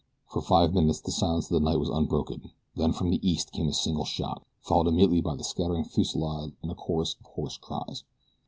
For five minutes the silence of the night was unbroken, then from the east came a single shot, followed immediately by a scattering fusillade and a chorus of hoarse cries.